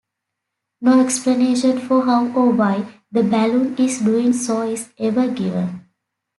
No explanation for how or why the balloon is doing so is ever given.